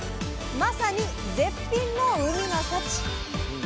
まさに絶品の海の幸！